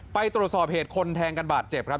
ไปตรวจสอบเหตุคนแทงกันบาดเจ็บครับ